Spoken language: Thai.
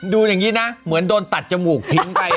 ดูอย่างนี้นะเหมือนโดนตัดจมูกทิ้งไป